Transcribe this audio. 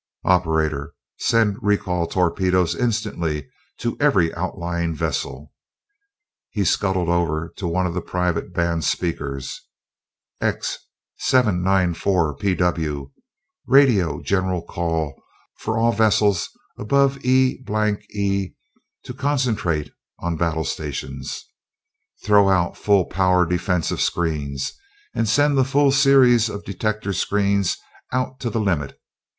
"Operator! Send recall torpedoes instantly to every outlying vessel!" He scuttled over to one of the private band speakers. "X 794 PW! Radio general call for all vessels above E blank E to concentrate on battle stations! Throw out full power defensive screens, and send the full series of detector screens out to the limit!